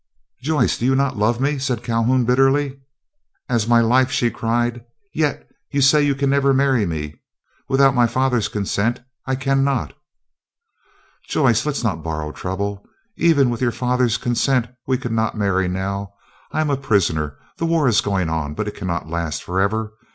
"Joyce, you do not love me!" said Calhoun bitterly. "As my life," she cried. "Yet you say you can never marry me!" "Without my father's consent I cannot." "Joyce, let us not borrow trouble. Even with your father's consent we could not marry now. I am a prisoner. The war is going on, but it cannot last forever.